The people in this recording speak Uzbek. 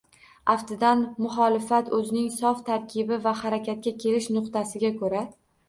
Aftidan, “muxolifat” – o‘zining sof tarkibi va harakatga kelish nuqtasiga ko‘ra